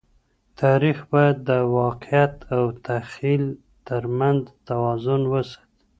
تاریخ باید د واقعیت او تخیل تر منځ توازن وساتي.